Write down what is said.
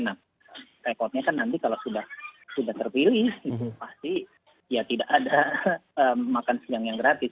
nah rekodnya kan nanti kalau sudah terpilih pasti ya tidak ada makan siang yang gratis